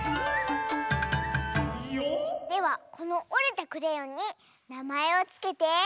ではこのおれたクレヨンになまえをつけて。